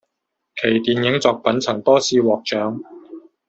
其电影作品曾多次获奖。